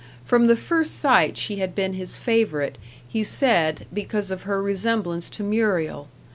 From the first sight she had been his favourite, he said, because of her resemblance to Muriel.